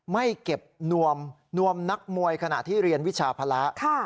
ไม่เก็บนวมนักมวยขณะที่เรียนวิชาภาระ